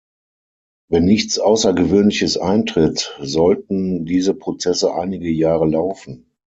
Wenn nichts Außergewöhnliches eintritt, sollten diese Prozesse einige Jahre laufen.